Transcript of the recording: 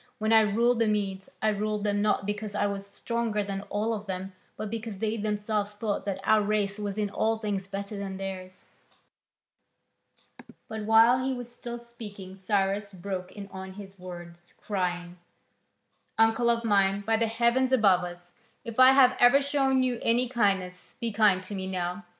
When I ruled the Medes, I ruled them not because I was stronger than all of them, but because they themselves thought that our race was in all things better than theirs." But while he was still speaking Cyrus broke in on his words, crying: "Uncle of mine, by the heaven above us, if I have ever shown you any kindness, be kind to me now.